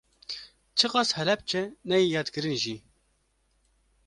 Çiqas Helepçe neyê yadkirin jî